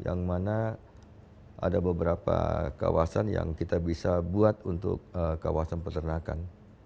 yang mana ada beberapa kawasan yang kita bisa buat untuk kawasan peternakan